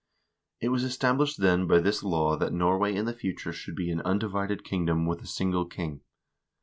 1 It was established, then, by this law that Norway in the future should be an undivided kingdom with a single king.